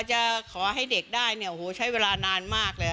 จะขอให้เด็กได้เนี่ยโอ้โหใช้เวลานานมากเลย